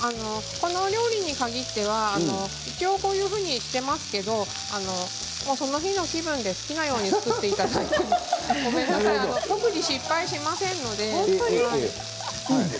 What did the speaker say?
このお料理に限っては一応こういうふうにしていますけど、その日の気分で好きなように作っていただいても特に失敗しませんので。